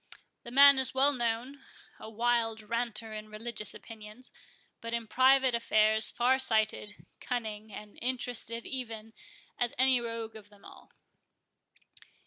The man is well known—a wild ranter in religious opinions, but in private affairs far sighted, cunning, and interested even as any rogue of them all."